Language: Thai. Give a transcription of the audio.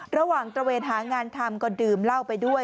ระหว่างตระเวนหางานทำก็ดื่มเล่าไปด้วย